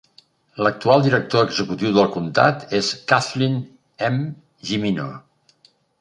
L'actual Director Executiu del comptat és Kathleen M. Jimino.